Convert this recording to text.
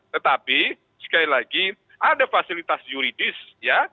tetapi sekali lagi ada fasilitas yuridis ya